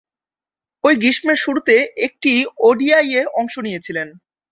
ঐ গ্রীষ্মের শুরুতে একটি ওডিআইয়ে অংশ নিয়েছিলেন।